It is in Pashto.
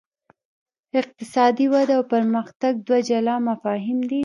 اقتصادي وده او پرمختګ دوه جلا مفاهیم دي.